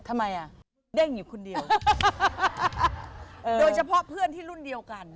ทำไมอ่ะเด้งอยู่คนเดียวโดยเฉพาะเพื่อนที่รุ่นเดียวกัน